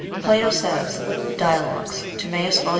Plato says ("Dialogues," Timæus, vol.